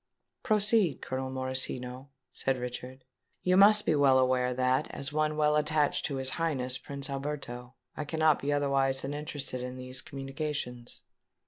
"Proceed, Colonel Morosino," said Richard. "You must be well aware that, as one well attached to his Highness Prince Alberto, I cannot be otherwise than interested in these communications."